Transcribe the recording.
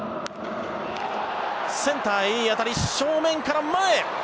センターへいい当たり正面から、前！